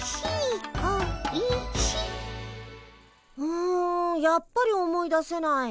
うんやっぱり思い出せない。